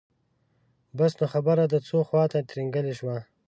بس نو خبره د ځو خواته ترینګلې شوه.